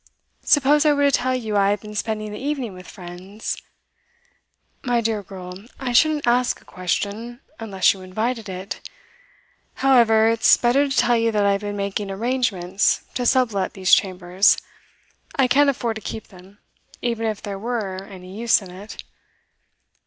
Suppose I were to tell you I had been spending the evening with friends ' 'My dear girl, I shouldn't ask a question, unless you invited it. However, it's better to tell you that I have been making arrangements to sublet these chambers. I can't afford to keep them, even if there were any use in it.